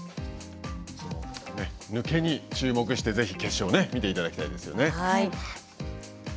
抜けに注目してぜひ決勝を見ていただきたいですね。